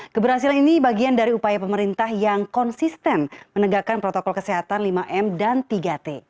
keberhasilan ini bagian dari upaya pemerintah yang konsisten menegakkan protokol kesehatan lima m dan tiga t